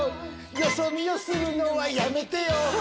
よそ見をするのはやめてよ